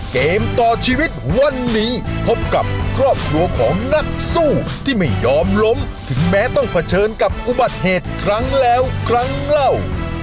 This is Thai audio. เกมต่อชีวิตวันนี้พบกับครอบครัวของนักสู้ที่ไม่ยอมล้มถึงแม้ต้องเผชิญกับอุบัติเหตุครั้งแล้วครั้งเล่า